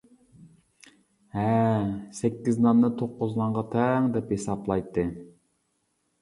ھە سەككىز ناننى توققۇز نانغا تەڭ، دەپ ھېسابلايتتى.